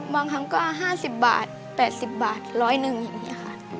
บางครั้งก็๕๐บาท๘๐บาท๑๐๐หนึ่งอย่างนี้ค่ะ